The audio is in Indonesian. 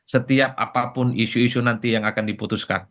setiap apapun isu isu nanti yang akan diputuskan